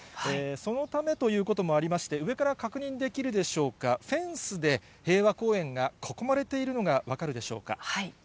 そのためということもありまして、上から確認できるでしょうか、フェンスで平和公園が囲まれているのが分かるでしょうか。